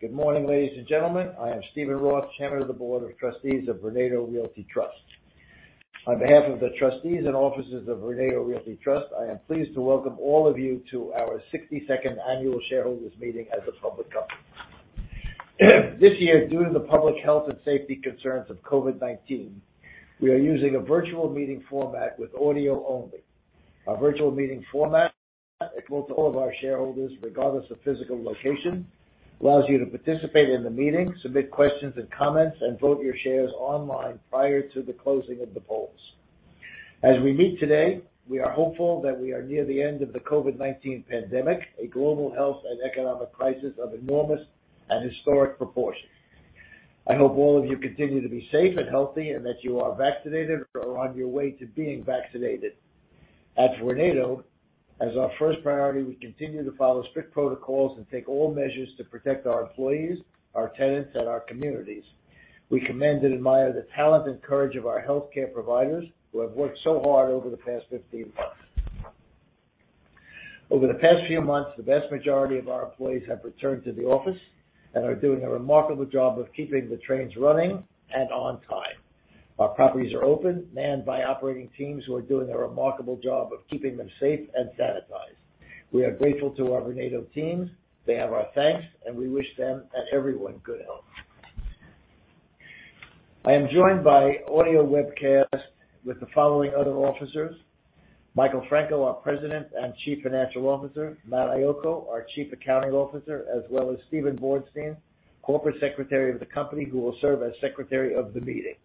Good morning, ladies and gentlemen. I am Steven Roth, Chairman of the Board of Trustees of Vornado Realty Trust. On behalf of the trustees and officers of Vornado Realty Trust, I am pleased to welcome all of you to our 62nd annual shareholders' meeting as a public company. This year, due to the public health and safety concerns of COVID-19, we are using a virtual meeting format with audio only. Our virtual meeting format, equal to all of our shareholders, regardless of physical location, allows you to participate in the meeting, submit questions and comments, and vote your shares online prior to the closing of the polls. As we meet today, we are hopeful that we are near the end of the COVID-19 pandemic, a global health and economic crisis of enormous and historic proportion. I hope all of you continue to be safe and healthy, and that you are vaccinated or are on your way to being vaccinated. At Vornado, as our first priority, we continue to follow strict protocols and take all measures to protect our employees, our tenants, and our communities. We commend and admire the talent and courage of our healthcare providers who have worked so hard over the past 15 months. Over the past few months, the vast majority of our employees have returned to the office and are doing a remarkable job of keeping the trains running and on time. Our properties are open, manned by operating teams who are doing a remarkable job of keeping them safe and sanitized. We are grateful to our Vornado teams. They have our thanks, and we wish them and everyone good health. I am joined by audio webcast with the following other officers: Michael J. Franco, our President and Chief Financial Officer, Matt Iocco, our Chief Accounting Officer, as well as Steven Borenstein, Corporate Secretary of the company, who will serve as secretary of the meeting.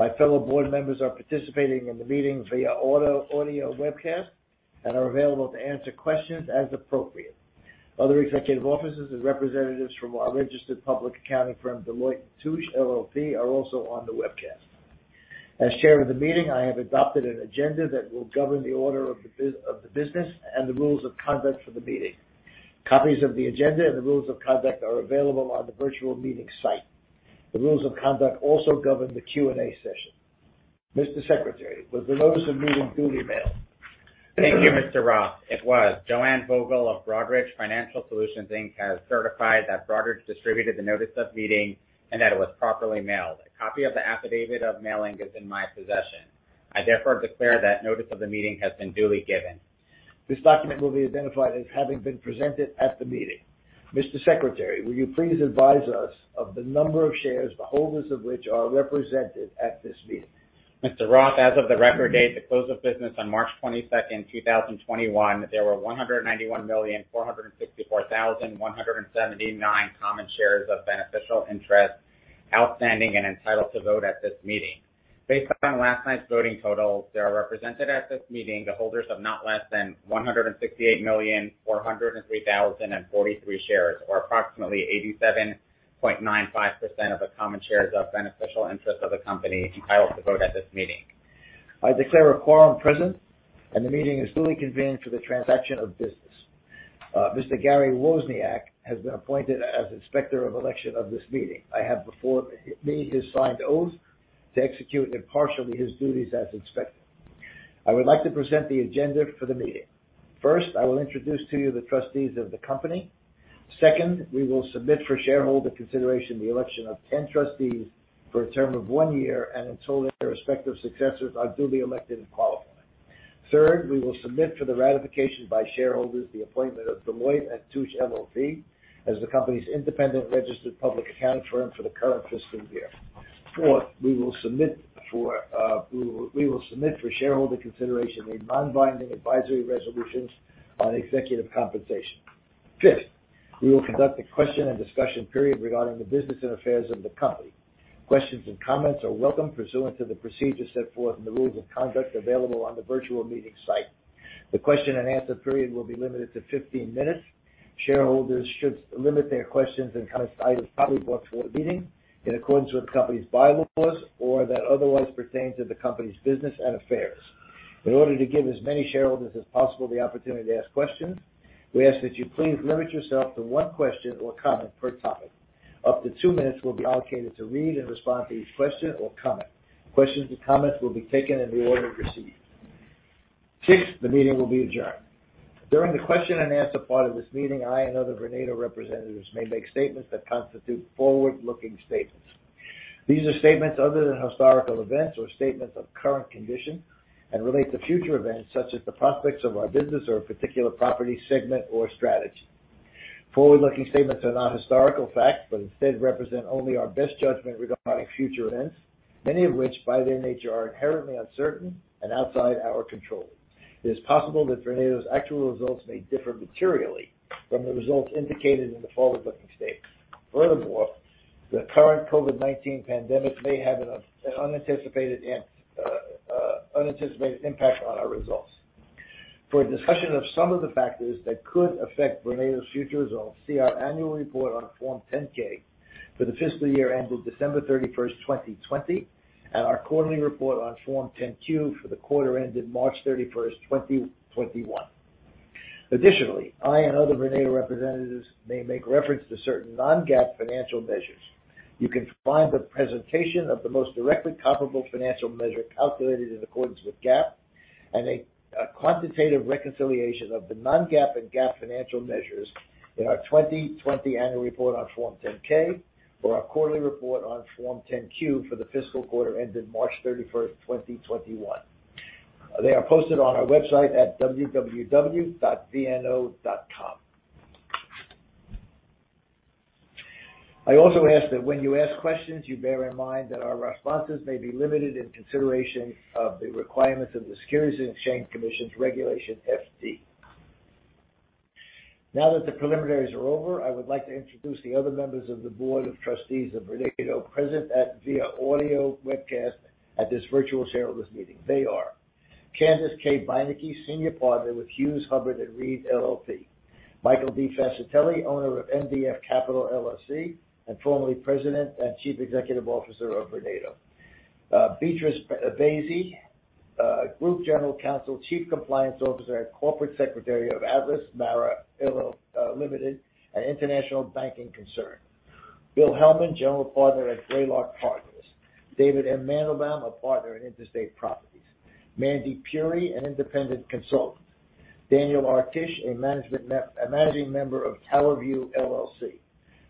My fellow board members are participating in the meeting via audio webcast and are available to answer questions as appropriate. Other executive officers and representatives from our registered public accounting firm, Deloitte & Touche LLP, are also on the webcast. As chair of the meeting, I have adopted an agenda that will govern the order of the business and the rules of conduct for the meeting. Copies of the agenda and the rules of conduct are available on the virtual meeting site. The rules of conduct also govern the Q&A session. Mr. Secretary, was the notice of meeting duly mailed? Thank you, Mr. Roth. Joanne Vogel of Broadridge Financial Solutions Inc. has certified that Broadridge distributed the notice of meeting and that it was properly mailed. A copy of the affidavit of mailing is in my possession. I therefore declare that notice of the meeting has been duly given. This document will be identified as having been presented at the meeting. Mr. Secretary, will you please advise us of the number of shares, the holders of which are represented at this meeting? Mr. Roth, as of the record date, the close of business on March 22nd, 2021, there were 191,464,179 common shares of beneficial interest outstanding and entitled to vote at this meeting. Based on last night's voting totals, there are represented at this meeting the holders of not less than 168,403,043 shares, or approximately 87.95% of the common shares of beneficial interest of the company entitled to vote at this meeting. I declare a quorum present, and the meeting is duly convened for the transaction of business. Mr. Gary Wozniak has been appointed as Inspector of Election of this meeting. I have before me his signed oath to execute impartially his duties as inspector. I would like to present the agenda for the meeting. First, I will introduce to you the trustees of the company. Second, we will submit for shareholder consideration the election of 10 trustees for a term of one year and until their respective successors are duly elected and qualified. Third, we will submit for the ratification by shareholders the appointment of Deloitte & Touche LLP as the company's independent registered public accounting firm for the current fiscal year. Fourth, we will submit for shareholder consideration a non-binding advisory resolutions on executive compensation. Fifth, we will conduct a question and discussion period regarding the business and affairs of the company. Questions and comments are welcome pursuant to the procedures set forth in the rules of conduct available on the virtual meeting site. The question and answer period will be limited to 15 minutes. Shareholders should limit their questions and comments items properly brought before the meeting in accordance with the company's bylaws or that otherwise pertain to the company's business and affairs. In order to give as many shareholders as possible the opportunity to ask questions, we ask that you please limit yourself to one question or comment per topic. Up to two minutes will be allocated to read and respond to each question or comment. Questions and comments will be taken in the order received. Sixth, the meeting will be adjourned. During the question and answer part of this meeting, I and other Vornado representatives may make statements that constitute forward-looking statements. These are statements other than historical events or statements of current condition and relate to future events such as the prospects of our business or a particular property segment or strategy. Forward-looking statements are not historical facts, but instead represent only our best judgment regarding future events, many of which, by their nature, are inherently uncertain and outside our control. It is possible that Vornado's actual results may differ materially from the results indicated in the forward-looking statements. Furthermore, the current COVID-19 pandemic may have an unanticipated impact on our results. For a discussion of some of the factors that could affect Vornado's future results, see our annual report on Form 10-K for the fiscal year ended December 31st, 2020, and our quarterly report on Form 10-Q for the quarter ended March 31st, 2021. I and other Vornado representatives may make reference to certain non-GAAP financial measures. You can find the presentation of the most directly comparable financial measure calculated in accordance with GAAP and a quantitative reconciliation of the non-GAAP and GAAP financial measures in our 2020 annual report on Form 10-K or our quarterly report on Form 10-Q for the fiscal quarter ended March 31st, 2021. They are posted on our website at www.vno.com. I also ask that when you ask questions, you bear in mind that our responses may be limited in consideration of the requirements of the Securities and Exchange Commission's Regulation FD. Now that the preliminaries are over, I would like to introduce the other members of the board of trustees of Vornado present via audio webcast at this virtual shareholders meeting. They are Candace K. Beinecke, senior partner with Hughes Hubbard & Reed LLP, Michael D. Fascitelli, owner of MDF Capital LLC, and formerly president and chief executive officer of Vornado, Beatrice Hamza Bassey, group general counsel, chief compliance officer, corporate secretary of Atlas Mara Limited, an international banking concern, William W. Helman IV, general partner at Greylock Partners, David M. Mandelbaum, a partner in Interstate Properties, Mandakini Puri, an independent consultant, Daniel R. Tisch, a managing member of TowerView LLC,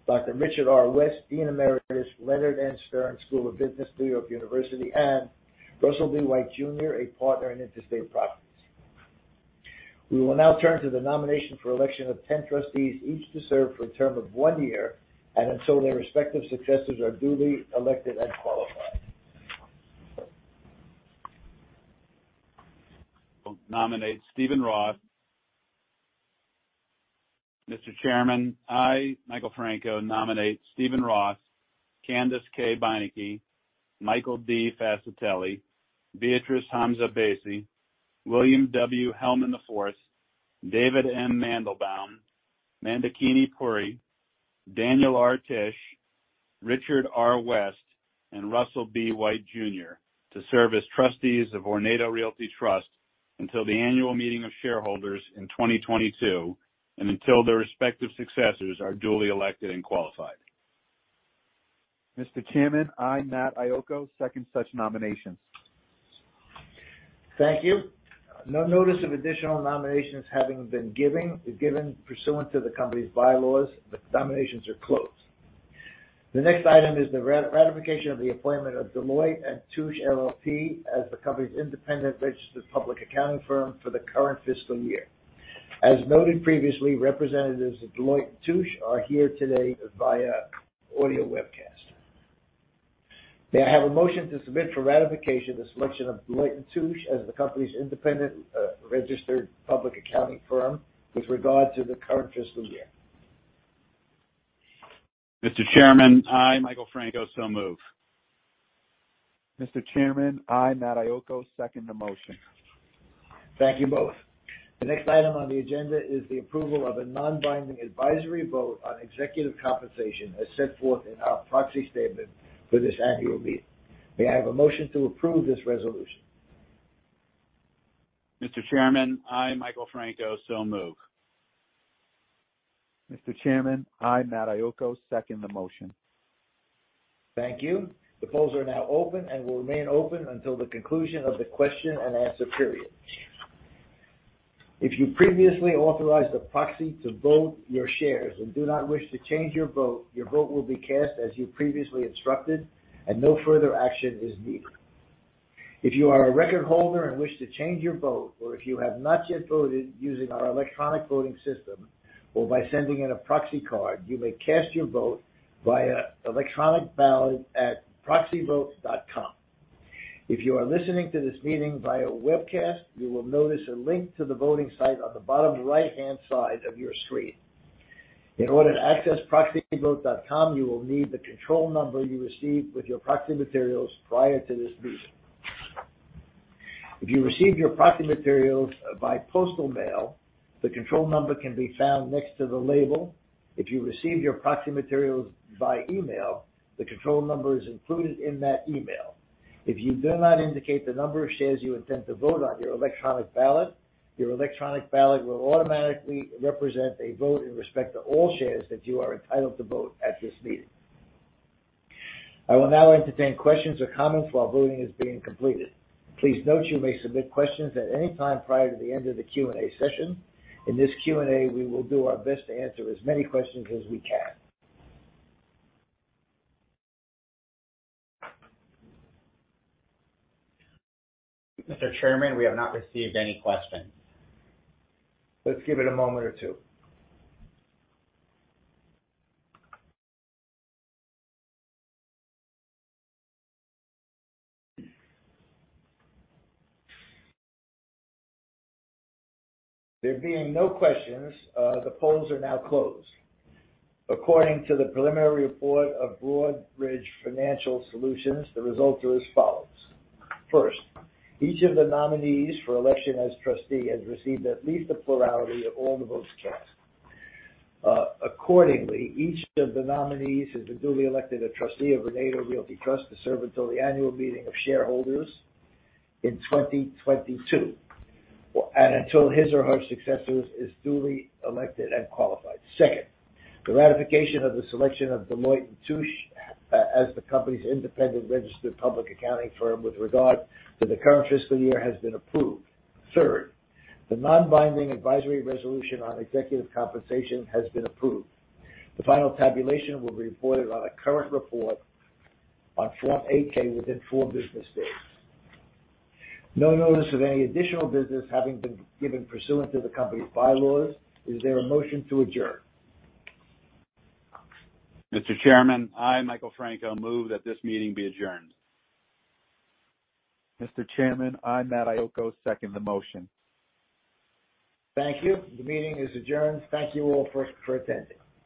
Dr. Richard R. West, dean emeritus, Leonard N. Stern School of Business, New York University, and Russell B. Wight, Jr., a partner in Interstate Properties. We will now turn to the nomination for election of 10 trustees, each to serve for a term of one year, and until their respective successors are duly elected and qualified. I nominate Steven Roth. Mr. Chairman, I, Michael Franco, nominate Steven Roth, Candace K. Beinecke, Michael D. Fascitelli, Beatrice Hamza Bassey, William W. Helman IV, David M. Mandelbaum, Mandakini Puri, Daniel R. Tisch, Richard R. West, and Russell B. Wight Jr. to serve as trustees of Vornado Realty Trust until the annual meeting of shareholders in 2022, and until their respective successors are duly elected and qualified. Mr. Chairman, I, Matt Iocco, second such nominations. Thank you. No notice of additional nominations having been given pursuant to the company's bylaws, the nominations are closed. The next item is the ratification of the appointment of Deloitte & Touche LLP as the company's independent registered public accounting firm for the current fiscal year. As noted previously, representatives of Deloitte & Touche are here today via audio webcast. May I have a motion to submit for ratification the selection of Deloitte & Touche as the company's independent registered public accounting firm with regard to the current fiscal year. Mr. Chairman, I, Michael Franco, so move. Mr. Chairman, I, Matt Iocco, second the motion. Thank you both. The next item on the agenda is the approval of a non-binding advisory vote on executive compensation as set forth in our proxy statement for this annual meeting. May I have a motion to approve this resolution? Mr. Chairman, I, Michael Franco, so move. Mr. Chairman, I, Matt Iocco, second the motion. Thank you. The polls are now open and will remain open until the conclusion of the question-and-answer period. If you previously authorized a proxy to vote your shares and do not wish to change your vote, your vote will be cast as you previously instructed, and no further action is needed. If you are a record holder and wish to change your vote, or if you have not yet voted using our electronic voting system or by sending in a proxy card, you may cast your vote via electronic ballot at proxyvote.com. If you are listening to this meeting via webcast, you will notice a link to the voting site on the bottom right-hand side of your screen. In order to access proxyvote.com, you will need the control number you received with your proxy materials prior to this meeting. If you received your proxy materials by postal mail, the control number can be found next to the label. If you received your proxy materials by email, the control number is included in that email. If you do not indicate the number of shares you intend to vote on your electronic ballot, your electronic ballot will automatically represent a vote in respect to all shares that you are entitled to vote at this meeting. I will now entertain questions or comments while voting is being completed. Please note you may submit questions at any time prior to the end of the Q&A session. In this Q&A, we will do our best to answer as many questions as we can. Mr. Chairman, we have not received any questions. Let's give it a moment or two. There being no questions, the polls are now closed. According to the preliminary report of Broadridge Financial Solutions, the results are as follows. First, each of the nominees for election as trustee has received at least a plurality of all the votes cast. Accordingly, each of the nominees is a duly elected trustee of Vornado Realty Trust to serve until the annual meeting of shareholders in 2022, and until his or her successor is duly elected and qualified. Second, the ratification of the selection of Deloitte & Touche as the company's independent registered public accounting firm with regard to the current fiscal year has been approved. Third, the non-binding advisory resolution on executive compensation has been approved. The final tabulation will be reported on a current report on Form 8-K within four business days. No notice of any additional business having been given pursuant to the company's bylaws, is there a motion to adjourn? Mr. Chairman, I, Michael Franco, move that this meeting be adjourned. Mr. Chairman, I, Matt Iocco, second the motion. Thank you. The meeting is adjourned. Thank you all for attending.